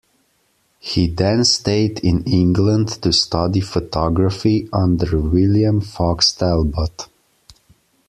He then stayed in England to study photography under William Fox Talbot.